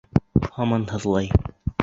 Һаман һыҙлай.